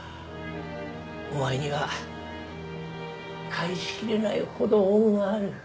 お前には返しきれないほど恩がある。